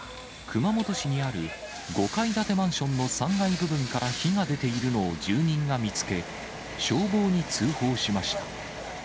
熊本市にある５階建てマンションの３階部分から火が出ているのを住人が見つけ、消防に通報しました。